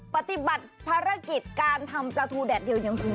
ปฏิบัติภารกิจการทำปลาทูแดดเดียวยังคง